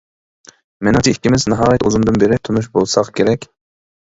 مېنىڭچە ئىككىمىز ناھايىتى ئۇزۇندىن بېرى تونۇش بولساق كېرەك.